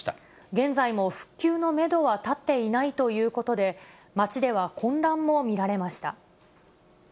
現在も復旧のメドは立っていないということで、街では混乱も見られました。